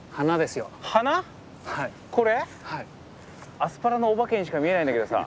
アスパラのお化けにしか見えないんだけどさ